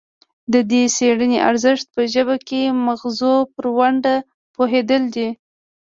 د دې څیړنې ارزښت په ژبه کې د مغزو پر ونډه پوهیدل دي